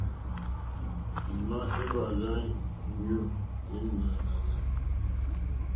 Ima èhvàrzù ya nyoò e ò ànànà?